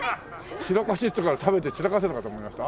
散らかしって言ったから食べて散らかすのかと思いました。